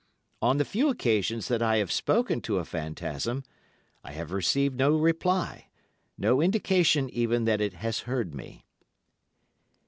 On the few occasions that I have spoken to a phantasm, I have received no reply, no indication even that it has heard me.